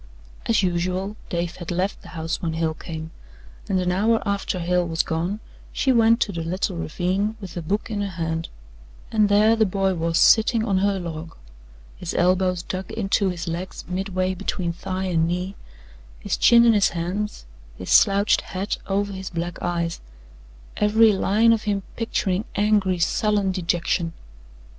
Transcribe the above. As usual, Dave had left the house when Hale came, and an hour after Hale was gone she went to the little ravine with a book in her hand, and there the boy was sitting on her log, his elbows dug into his legs midway between thigh and knee, his chin in his hands, his slouched hat over his black eyes every line of him picturing angry, sullen dejection.